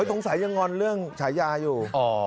สงสัยยังงอนเรื่องฉายาอยู่